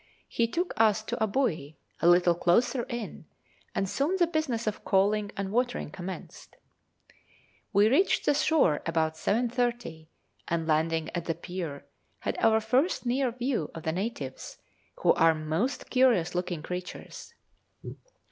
He took us to a buoy, a little closer in, and soon the business of coaling and watering commenced. [Illustration: Soumali Indian, Aden.] We reached the shore about 7.30, and, landing at the pier, had our first near view of the natives, who are most curious looking creatures.